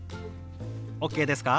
ＯＫですか？